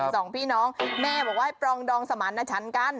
สองพี่น้องแม่บอกว่าให้ปรองดองสมารณชันกัน